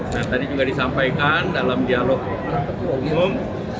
nah tadi juga disampaikan dalam dialog umum